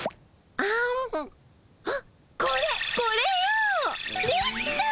これこれよ！できた！